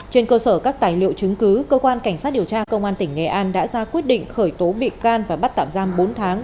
trên cơ sở các tài liệu chứng cứ cơ quan cảnh sát điều tra công an tỉnh nghệ an đã ra quyết định khởi tố bị can và bắt tạm giam bốn tháng